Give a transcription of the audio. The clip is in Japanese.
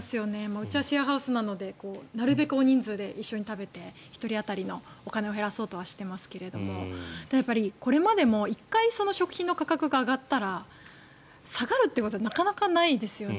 うちはシェアハウスなのでなるべく大人数で一緒に食べて１人当たりのお金を減らそうとはしていますがこれまでも１回、食品の価格が上がったら下がるってことはなかなかないですよね。